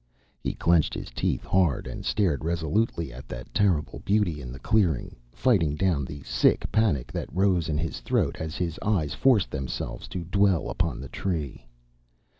He clenched his teeth hard and stared resolutely at that terrible beauty in the clearing, fighting down the sick panic that rose in his throat as his eyes forced themselves to dwell upon the Tree.